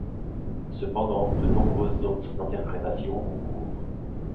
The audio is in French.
Cependant, de nombreuses autres interprétations ont cours.